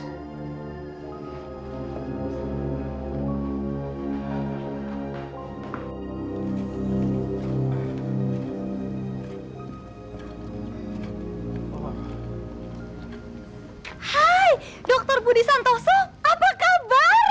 hai dr budi santoso apa kabar